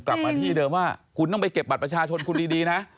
กลับมาที่เดิมว่าคุณต้องไปเก็บบัตรประชาชนคุณดีนะ